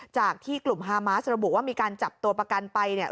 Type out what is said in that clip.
จากที่กลุ่มฮามาสระบุว่ามีการจับตัวประกันไปเนี่ย